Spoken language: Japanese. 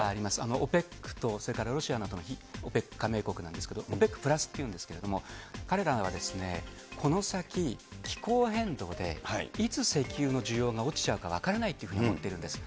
ＯＰＥＣとそれからロシアなどのＯＰＥＣ加盟国なんですけれども、ＯＰＥＣプラスっていうんですけれども、彼らがこの先、気候変動で、いつ石油の需要が落ちちゃうか分からないというふうに思っているんです。